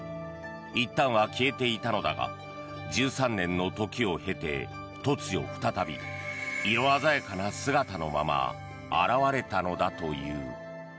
いったんは消えていたのだが１３年の時を経て突如、再び色鮮やかな姿のまま現れたのだという。